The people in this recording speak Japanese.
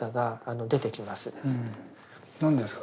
何ですか？